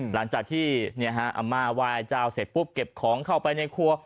หลังจากที่อาม่าไหว้เจ้าเสร็จปุ๊บเก็บของเข้าไปในครัว